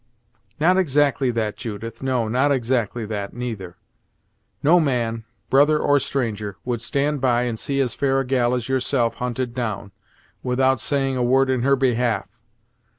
"Not exactly that, Judith; no, not exactly that, neither! No man, brother or stranger, would stand by and see as fair a gal as yourself hunted down, without saying a word in her behalf.